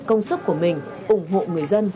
công sức của mình ủng hộ người dân